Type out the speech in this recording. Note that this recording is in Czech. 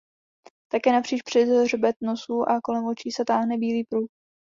Také napříč přes hřbet nosu a kolem očí se táhne bílý pruh.